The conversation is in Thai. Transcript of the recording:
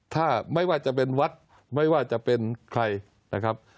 ถ้าไม่ว่าจะเป็นวัดไม่ว่าจะเป็นใครนะครับ